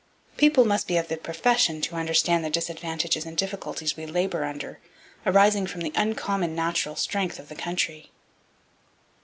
People must be of the profession to understand the disadvantages and difficulties we labour under, arising from the uncommon natural strength of the country.